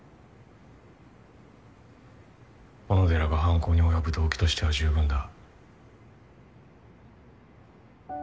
小野寺が犯行におよぶ動機としては十分だ。